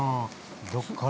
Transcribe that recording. どっから。